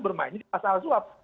bermain di pasal suap